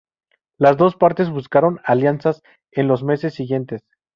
Las dos partes buscaron alianzas en los meses siguientes.